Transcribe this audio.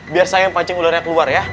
biar saya yang pancing udara keluar ya